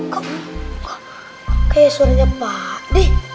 kok kok kayak suaranya pak dih